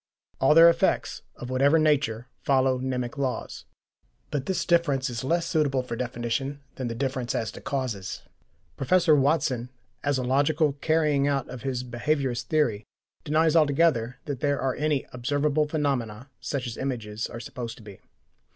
All their effects, of whatever nature, follow mnemic laws. But this difference is less suitable for definition than the difference as to causes. Professor Watson, as a logical carrying out of his behaviourist theory, denies altogether that there are any observable phenomena such as images are supposed to be.